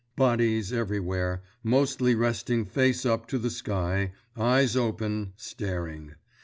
Bodies everywhere, mostly resting face up to the sky, eyes open, staring.